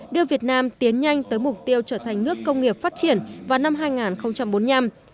đưa việt nam tiến nhanh tới mục tiêu trở thành nước công nghiệp phát triển vào năm hai nghìn bốn mươi năm